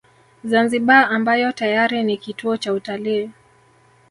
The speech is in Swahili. Zanzibar ambayo tayari ni kituo cha utalii